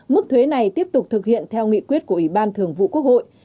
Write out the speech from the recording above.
mức thuế này tiếp tục thực hiện theo nghị quyết của ủy ban thường vụ quốc hội